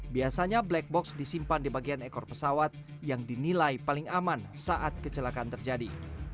biasanya black box disimpan di bagian ekor pesawat yang dinilai paling aman saat kecelakaan terjadi